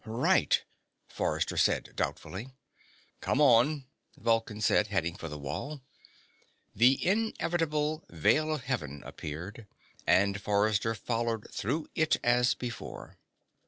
"Right," Forrester said doubtfully. "Come on," Vulcan said, heading for the wall. The inevitable Veil of Heaven appeared, and Forrester followed through it as before.